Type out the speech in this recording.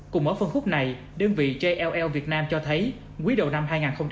cùng ở phân khúc này đơn vị jll việt nam cho thấy quý đầu năm hai nghìn hai mươi